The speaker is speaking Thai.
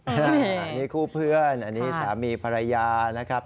อันนี้คู่เพื่อนอันนี้สามีภรรยานะครับ